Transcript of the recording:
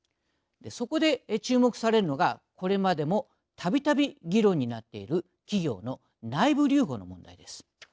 そこで注目されるのがこれまでもたびたび議論になっている企業の内部留保の問題です。